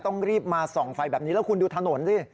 ต้องรีบมาส่องไฟแบบนี้แล้วคุณดูถนนสิ